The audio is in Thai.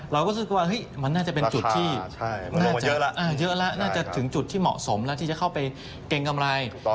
รู้สึกว่ามันน่าจะเป็นจุดที่น่าจะเยอะแล้วน่าจะถึงจุดที่เหมาะสมแล้วที่จะเข้าไปเกรงกำไร